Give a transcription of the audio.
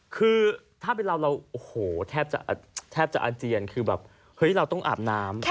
คือถ้าเป็นเราแทบจะอาจเจียนคือแบบเราต้องอาบน้ำ